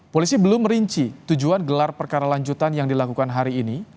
polisi belum merinci tujuan gelar perkara lanjutan yang dilakukan hari ini